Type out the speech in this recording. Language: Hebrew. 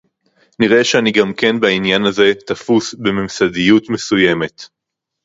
נראה שאני גם כן בעניין הזה תפוס בממסדיות מסוימת